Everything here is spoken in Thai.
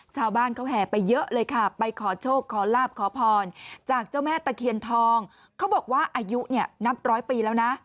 ชาวบ้านเขาแห่ไปเยอะเลยค่ะไปขอโชคขอลาบขอพรจากเจ้าแม่ตะเคียนทองเขาบอกว่าอายุเนี่ยนับร้อยปีแล้วนะ